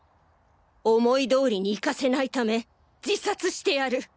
「思いどおりに行かせないため自殺してやる。